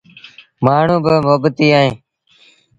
مآڻهوٚݩ با مهبتيٚ اهيݩ۔